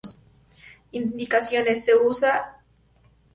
Indicaciones: es usado como astringente.